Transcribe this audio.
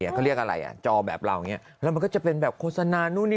เขาเรียกอะไรอ่ะจอแบบเราอย่างนี้แล้วมันก็จะเป็นแบบโฆษณานู่นนี่